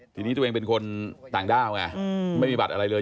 ทีนี้ตัวเองเป็นคนต่างด้าวไงไม่มีบัตรอะไรเลย